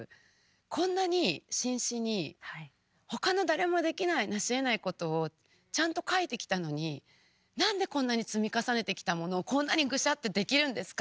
こんなに真摯に他の誰もできないなしえないことをちゃんと書いてきたのに何でこんなに積み重ねてきたものをこんなにグシャッてできるんですか？